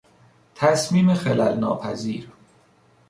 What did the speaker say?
تصمیم خلل ناپذیر